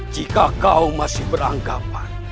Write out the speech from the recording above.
jika kau masih beranggapan